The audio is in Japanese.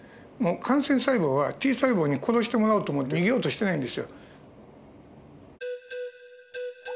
感染細胞はＴ細胞に殺してもらおうと思って逃げようとしてないんですよ。